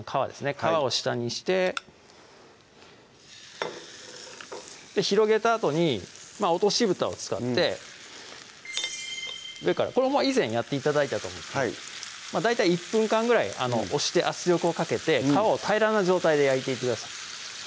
皮を下にして広げたあとに落としぶたを使ってこれも以前やって頂いたと思うんですけど大体１分間ぐらい押して圧力をかけて皮を平らな状態で焼いていってください